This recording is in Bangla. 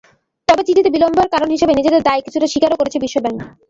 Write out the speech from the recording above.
তবে চিঠিতে বিলম্বের কারণ হিসেবে নিজেদের দায় কিছুটা স্বীকারও করেছে বিশ্বব্যাংক।